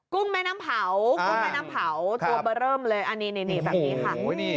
กุ้งแม่น้ำเผาตัวเบอร์เริ่มเลยอันนี้แบบนี้ค่ะ